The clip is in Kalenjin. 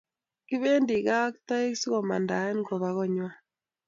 Kipendi kaa ak taek sikomandaen kobaa konywan